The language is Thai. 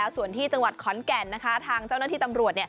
ส่วนที่จังหวัดขอนแก่นทางเจ้าหน้าที่ตำรวจ